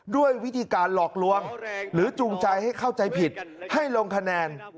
ด้วยวิธีการหลอกลวงหรือจูงใจให้เข้าใจผิดให้ลงคะแนน